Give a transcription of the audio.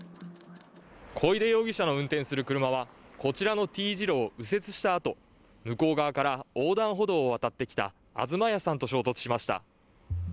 小出容疑者の運転する車は、こちらのＴ字路を右折した後、向こう側から横断歩道を渡ってきた東谷さんと衝突しました。